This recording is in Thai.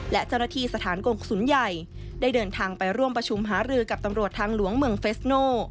และเจ้าหน้าที่สถานกงศูนย์ใหญ่ได้เดินทางไปร่วมประชุมหารือกับตำรวจทางหลวงเมืองเฟสโน่